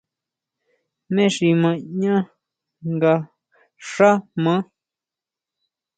¿Jmé xi ma ñaʼán nga xá maá.